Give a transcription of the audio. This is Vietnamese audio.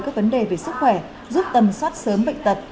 các vấn đề về sức khỏe giúp tầm soát sớm bệnh tật